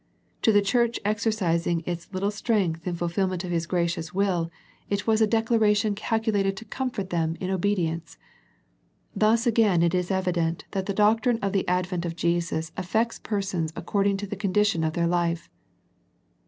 To the church exercising its little strength in fulfil ment of His gracious will, it was a declaration 1/4 A First Century Message calculated to comfort them in obedience. Thus again it is evident that the doctrine of the ad vent of Jesus affects persons according to the condition of their life.